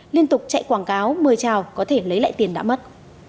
liên tục chạy quảng cáo mời trào có thể lấy lại tiền đã mất